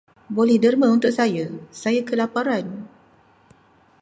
Boleh derma untuk saya, saya kelaparan.